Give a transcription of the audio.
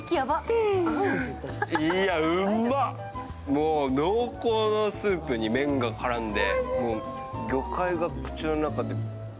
もう濃厚のスープに麺が絡んで。